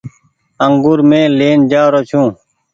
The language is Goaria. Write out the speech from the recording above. انگور مين لين جآ رو ڇو۔